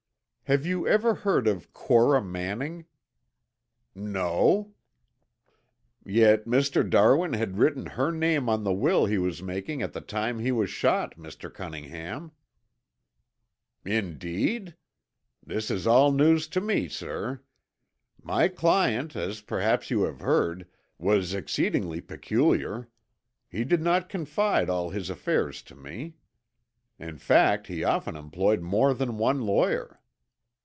"Have you ever heard of Cora Manning?" "No." "Yet Mr. Darwin had written her name on the will he was making at the time he was shot, Mr. Cunningham." "Indeed? This is all news to me, sir. My client, as perhaps you have heard, was exceedingly peculiar. He did not confide all his affairs to me. In fact, he often employed more than one lawyer."